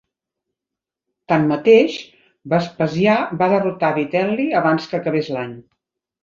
Tanmateix, Vespasià va derrotar Vitel·li abans que acabés l'any.